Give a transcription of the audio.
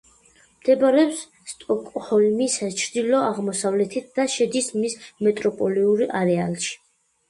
მდებარეობს სტოკჰოლმის ჩრდილო-აღმოსავლეთით და შედის მის მეტროპოლიურ არეალში.